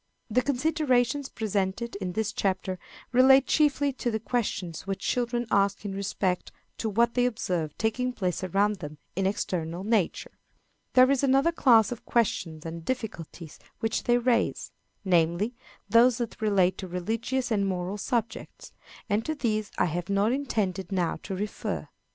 _ The considerations presented in this chapter relate chiefly to the questions which children ask in respect to what they observe taking place around them in external nature. There is another class of questions and difficulties which they raise namely, those that relate to religious and moral subjects; and to these I have not intended now to refer.